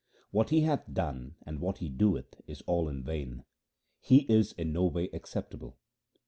What he hath done and what he doeth is all in vain ; he is in no way acceptable.